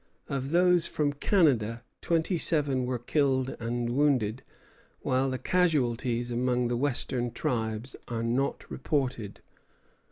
Of those from Canada, twenty seven were killed and wounded; while the casualties among the Western tribes are not reported.